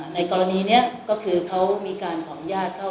ในกรณีนี้ก็คือเขามีการทำงานกับพวกเขา